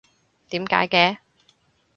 點解嘅？